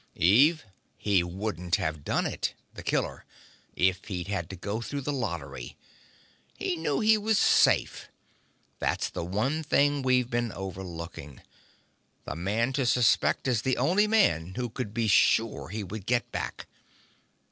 "Eve, he wouldn't have done it the killer if he'd had to go through the lottery! He knew he was safe! That's the one thing we've been overlooking. The man to suspect is the only man who could be sure he would get back!